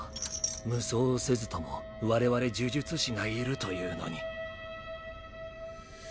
夢想せずとも我々呪術師がいるというのに。